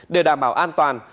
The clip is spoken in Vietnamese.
để đảm bảo an toàn